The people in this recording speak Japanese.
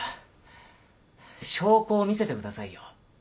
証拠を見せてくださいよ。